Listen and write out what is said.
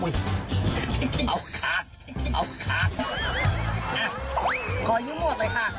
อุ๊ยเอาขาดเอาขาด